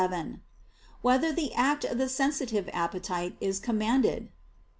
7] Whether the Act of the Sensitive Appetite Is Commanded?